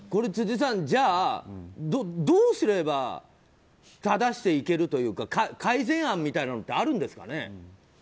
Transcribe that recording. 辻さん、じゃあどうすれば正していけるというか改善案みたいなのってあるんですかね。